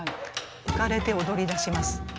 浮かれて踊りだします。